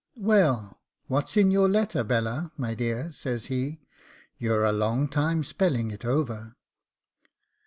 'Well, what's in your letter, Bella, my dear?' says he: 'you're a long time spelling it over.